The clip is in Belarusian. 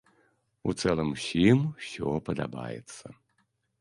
У цэлым ўсім усё падабаецца.